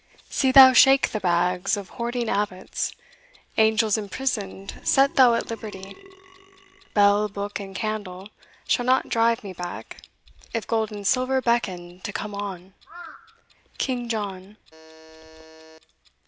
See thou shake the bags Of hoarding abbots; angels imprisoned Set thou at liberty Bell, book, and candle, shall not drive me back, If gold and silver beckon to come on. King John.